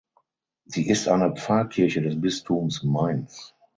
Sie ist eine Pfarrkirche des Bistums Mainz.